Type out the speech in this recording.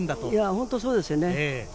本当にそうですよね。